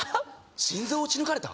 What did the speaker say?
心臓打ち抜かれた？